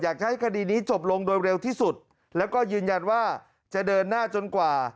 อยากจะให้คดีนี้จบลงโดยเร็วที่สุดแล้วก็ยืนยันว่าจะเดินหน้าจนกว่า